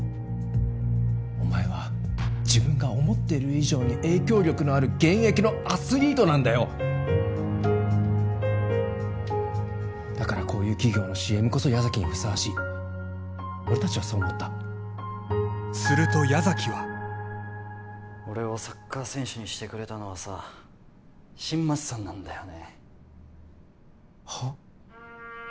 お前は自分が思ってる以上に影響力のある現役のアスリートなんだよだからこういう企業のＣＭこそ矢崎にふさわしい俺達はそう思ったすると矢崎は俺をサッカー選手にしてくれたのはさ新町さんなんだよねはっ？